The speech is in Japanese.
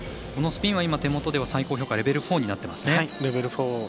このスピンは手元では最高評価レベル４になっています。